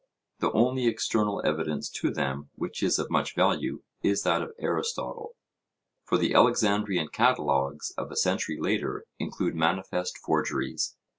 The only external evidence to them which is of much value is that of Aristotle; for the Alexandrian catalogues of a century later include manifest forgeries.